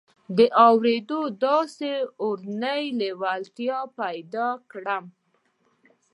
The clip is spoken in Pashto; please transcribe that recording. د اورېدو داسې اورنۍ لېوالتیا به پيدا کړم.